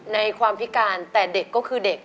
ในความพิการแต่เด็กก็คือเด็ก